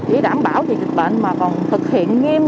chỉ đảm bảo dịch bệnh mà còn thực hiện nghiêm